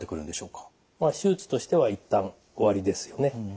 手術としては一旦終わりですよね。